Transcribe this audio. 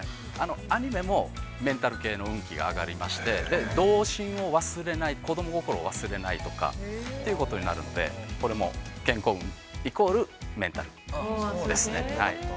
◆アニメもメンタル系の運気が上がりまして童心を忘れない子供心を忘れないとかということになるのでこれも健康運＝メンタルですね。